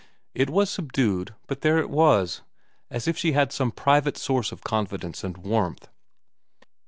It was subdued, but there it was, as if she had some private source of confidence and warmth.